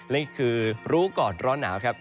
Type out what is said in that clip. นี่คือรู้ก่อนร้อนหนาวครับ